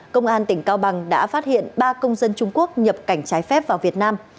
công an tỉnh cao bằng đã phát hiện ba công dân trung quốc nhập cảnh trái phép vào việt nam